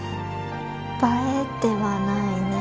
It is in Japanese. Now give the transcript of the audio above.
映えてはないね。